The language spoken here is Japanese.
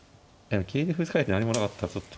桂で歩突かれて何もなかったらちょっと。